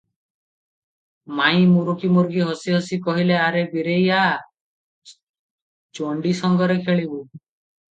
ମାଇଁ ମୁରୁକି ମୁରୁକି ହସି ହସି କହିଲେ, "ଆରେ ବୀରେଇ ଆ, ଚଣ୍ଡୀ ସଙ୍ଗରେ ଖେଳିବୁ ।"